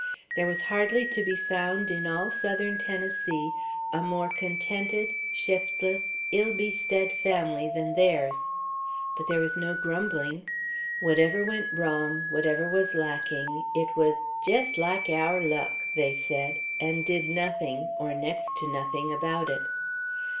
There was hardly to be found in all Southern Tennessee a more contented, shiftless, ill bestead family than theirs. But there was no grumbling. Whatever went wrong, whatever was lacking, it was "jest like aour luck," they said, and did nothing, or next to nothing, about it.